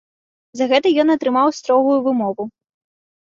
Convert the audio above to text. За гэта ён атрымаў строгую вымову.